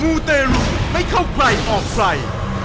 มือเตรลุห์ให้เข้าไปออกไฟ